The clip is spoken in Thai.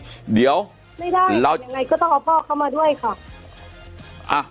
ไม่ได้ยังไงก็ต้องเอาพ่อเข้ามาด้วยค่ะ